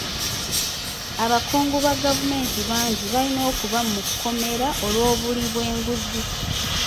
Abakungu ba gavumenti bangi balina okuba mu kkomera olw'obuli bw'enguzi.